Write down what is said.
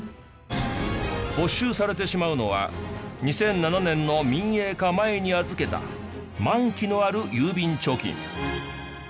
没収されてしまうのは２００７年の民営化前に預けた満期のある郵便貯金。